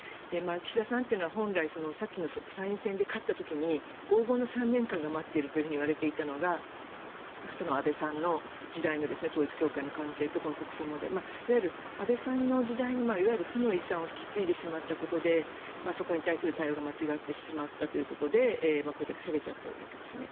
岸田さんというのは本来、さっきの参院選で勝った時に黄金の３年間が待っているといわれていたのが安倍さんの時代の統一教会の関係と国葬いわゆる安倍さんの時代の負の遺産を引き継いでしまったことでそこに対する対応が間違ってしまったということでこれだけ下げちゃってるわけですよね。